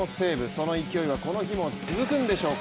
その勢いはこの日も続くんでしょうか。